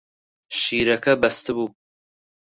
شیرەکە بەستبوو.